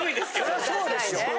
そりゃそうでしょ。